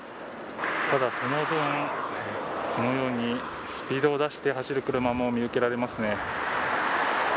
ただその分このようにスピードを出して走る車も見受けられますね。